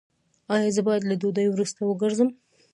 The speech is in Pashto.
ایا زه باید له ډوډۍ وروسته وګرځم؟